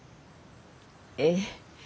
ええ。